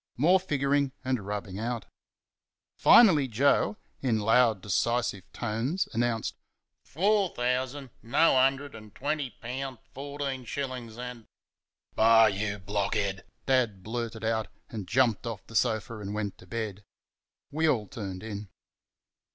More figuring and rubbing out. Finally Joe, in loud, decisive tones, announced, "FOUR thousand, NO 'undered an' twenty poun', fourteen shillin's an' " "Bah! YOU blockhead!" Dad blurted out, and jumped off the sofa and went to bed. We all turned in.